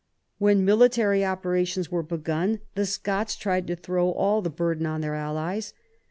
When military operations were begun, the Scots tried to throw all the burden on their allies.